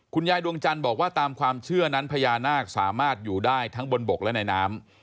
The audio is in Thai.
คุณยายดวงจันทร์บอกว่าตามความเชื่อนั้นพญานาคสามารถอยู่ได้ทั้งบนบกและในน้ำ